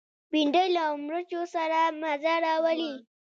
بېنډۍ له مرچو سره مزه راولي